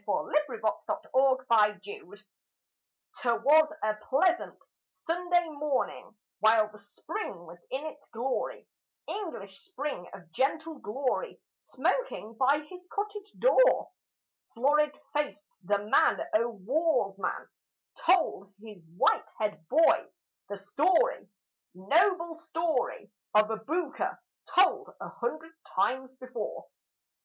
THE STORY OF THE "ORIENT" 'T was a pleasant Sunday morning while the spring was in its glory, English spring of gentle glory; smoking by his cottage door, Florid faced, the man o' war's man told his white head boy the story, Noble story of Aboukir, told a hundred times before.